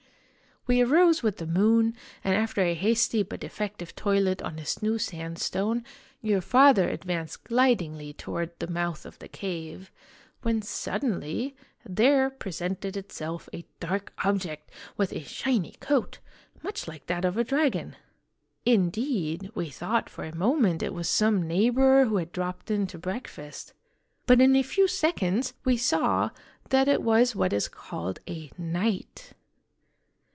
" We arose with the moon, and after a hasty but effective toilet on his new sandstone, your father advanced glidingly toward the mouth of the cave, when suddenly there presented itself a dark ob ject with a shiny coat, much like that of a dragon. Indeed, we thought for a moment it was some neighbor who had dropped in to breakfast. But in a few seconds we saw that it was what is called a k)iight.